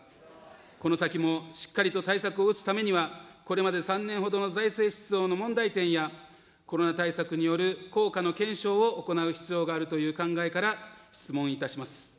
この先もしっかりと対策を打つためには、これまで３年ほどの財政出動の問題点や、コロナ対策による効果の検証を行う必要があるという考えから質問いたします。